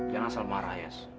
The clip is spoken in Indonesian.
jangan asal marah yas